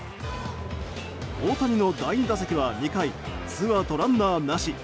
大谷の第２打席は２回ツーアウトランナーなし。